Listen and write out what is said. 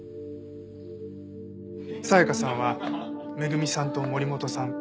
紗香さんは恵さんと森本さん